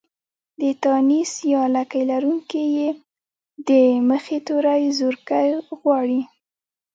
د تانيث يا لکۍ لرونکې ۍ د مخه توری زورکی غواړي.